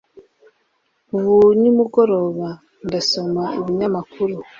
. Ubu nimugoroba ndasoma ibinyamakuru